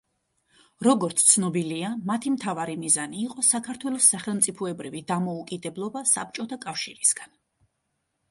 როგორც ცნობილია მათი მთავარი მიზანი იყო საქართველოს სახელმწიფოებრივი დამოუკიდებლობა საბჭოთა კავშირისგან.